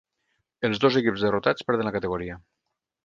Els dos equips derrotats perden la categoria.